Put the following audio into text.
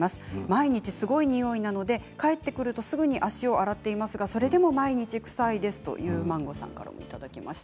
毎日すごいにおいなので帰ってくるとすぐに足を洗っていますがそれでも毎日、臭いですという方からもいただいています。